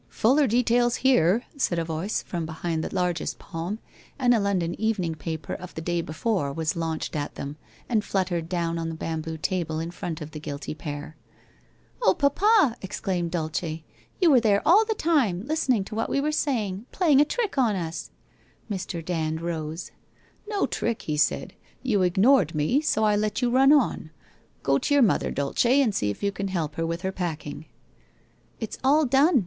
' Fuller details here !' said a voice from behind the largest palm and a London evening paper of the day be fore was launched at them and fluttered down on the bamboo table in front of the guilty pair. ' Oh, papa !' exclaimed Dulce. ' You were there all the time, listening to what we were saying — playing a trick on us !' Mr. Dand rose. 1 No trick !' he said, ' you ignored me, so I let you run on. Go to your mother, Dulce, and see if you can help her with her packing.' ' It's all done.